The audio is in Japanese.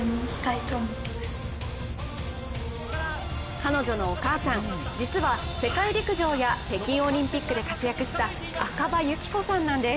彼女のお母さん、実は世界陸上や北京オリンピックで活躍した、赤羽有紀子さんなんです。